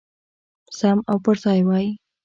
سم او پرځای وای.